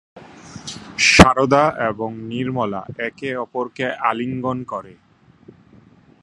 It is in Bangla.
শারদা এবং নির্মলা একে অপরকে আলিঙ্গন করে।